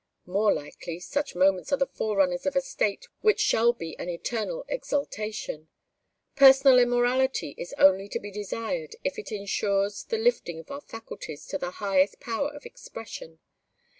"More likely, such moments are the forerunners of a state which shall be an eternal exaltation. Personal immortality is only to be desired if it insures the lifting of our faculties to their highest power of expression.